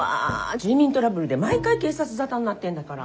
住民トラブルで毎回警察沙汰になってんだから。